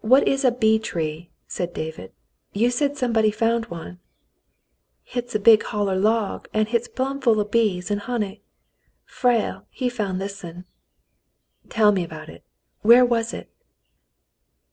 "What is a *bee tree' ?" said David. "You said some body found one." "Hit's a big holler tree, an' hit's plumb full o' bees an* honey. Frale, he found this'n." "Tell me about it. Where was it?"